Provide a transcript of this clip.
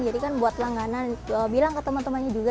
jadi kan buat langganan bilang ke temen temennya juga